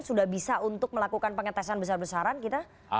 sudah bisa untuk melakukan pengetesan besar besaran kita